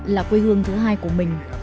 là quê hương thứ hai của mình